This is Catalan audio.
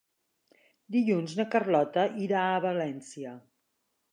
Dilluns na Carlota irà a València.